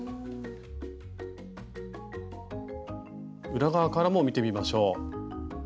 裏側からも見てみましょう。